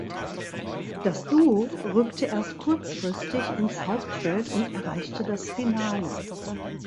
Das Duo rückte erst kurzfristig ins Hauptfeld und erreichte das Finale.